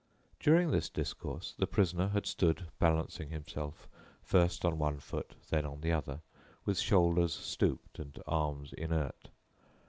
During this discourse the prisoner had stood balancing himself, first on one foot, then on the other, with shoulders stooped and arms inert.